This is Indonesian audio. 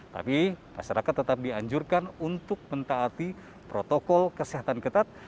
tapi masyarakat tetap dianjurkan untuk mentaati protokol kesehatan ketat